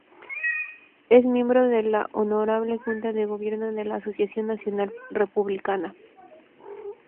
Es miembro de la Honorable Junta de Gobierno de la Asociación Nacional Republicana.